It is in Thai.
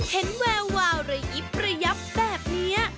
เห็นแวววารัยอิประยับแบบนี้